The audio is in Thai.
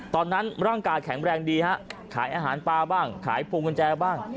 ตอนนั้นร่างกายแข็งแรงดีฮะขายอาหารปลาบ้างขายพวงกุญแจบ้าง